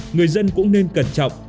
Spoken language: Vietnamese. người dân cũng nên cẩn trọng